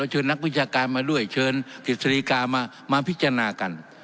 เชิญนักวิชาการมาด้วยเชิญกฤษฎีกามาพิจารณากัน